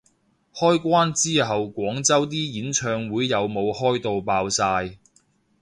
開關之後廣州啲演唱會有冇開到爆晒